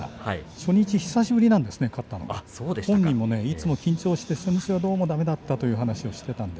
初日に久しぶりなんですが勝ったのは本人もいつも緊張して初日はどうもだめだったということを話していました。